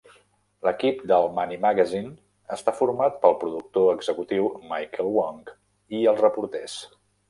L'equip del "Money Magazine" està format pel productor executiu Michael Wong i els reporters.